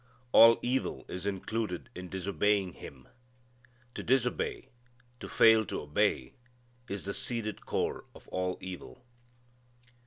All evil is included in disobeying Him. To disobey, to fail to obey is the seeded core of all evil.